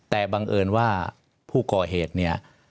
แต่บังเอิญว่าผู้ก่อเหตุเนี่ย